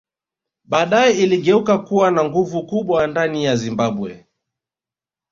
Badae iligeuka kuwa na nguvu kubwa ndani ya Zimbabwe